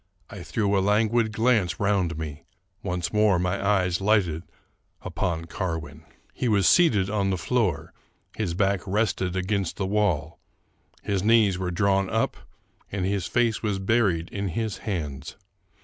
I threw a languid glance round me : once more my eyes lighted upon Carwin, He was seated on the floor, his back rested against the wall ; his knees were drawn up, and his face was buried in his hands.